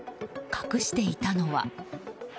隠していたのは。